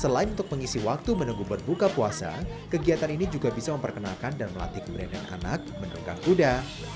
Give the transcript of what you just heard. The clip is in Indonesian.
selain untuk mengisi waktu menunggu berbuka puasa kegiatan ini juga bisa memperkenalkan dan melatih keberadaan anak menunggang kuda